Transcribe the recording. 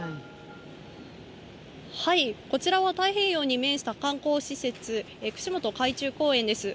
こちらは太平洋に面した観光施設、串本海中公園です。